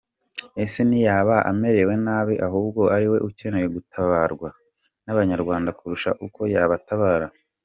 Ese ntiyaba amerewe nabi ahubwo ariwe ukeneye gutabarwa n’abanyarwanda kurusha uko yabatabara ?